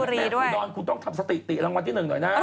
อูดรคุณต้องทำสติติรางวัลที่หนึ่งหน่อยนะ